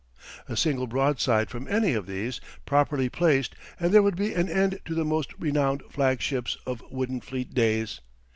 A single broadside from any of these, properly placed, and there would be an end to the most renowned flag ships of wooden fleet days.